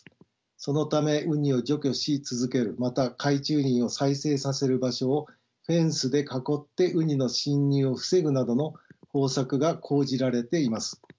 そのためウニを除去し続けるまた海中林を再生させる場所をフェンスで囲ってウニの侵入を防ぐなどの方策が講じられています。